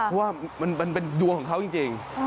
เพราะว่ามันเป็นดวงของเขาจริง